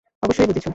অবশ্যই, বুঝেছো।